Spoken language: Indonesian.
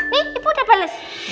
nih ibu udah bales